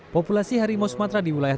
populasi harimau sumatera di wilayah